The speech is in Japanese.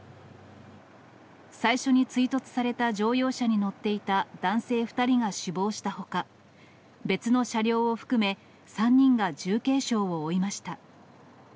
最初に追突された乗用車に乗っていた男性２人が死亡したほか、別の車両を含め、３人が重軽傷を負いました。